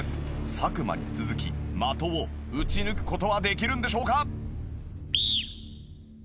作間に続き的を打ち抜く事はできるんでしょうか？